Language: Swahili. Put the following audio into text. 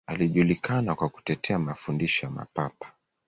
Alijulikana kwa kutetea mafundisho ya Mapapa.